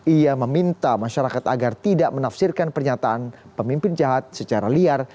ia meminta masyarakat agar tidak menafsirkan pernyataan pemimpin jahat secara liar